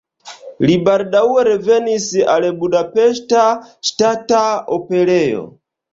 Li baldaŭe revenis al Budapeŝta Ŝtata Operejo.